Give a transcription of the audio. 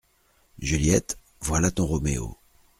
Juliette, voilà ton Roméo !